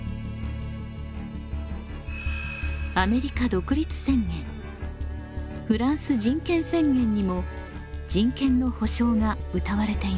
アメリカ独立宣言フランス人権宣言にも人権の保障がうたわれています。